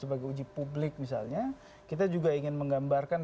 sebagai uji publik misalnya kita juga ingin menggambarkan